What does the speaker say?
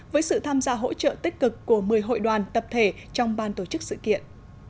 với sự tham gia hỗ trợ tích cực của một mươi hội đoàn tập thể trong ban tổ chức sự kiện